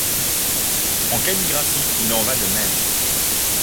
En calligraphie, il en va de même.